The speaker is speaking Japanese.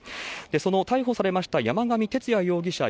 その逮捕されました山上徹也容疑者